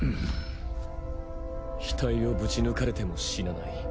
額をぶち抜かれても死なない。